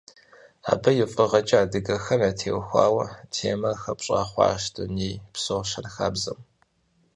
Абы и фӀыгъэкӀэ адыгэхэм ятеухуа темэр хэпща хъуащ дунейпсо щэнхабзэм.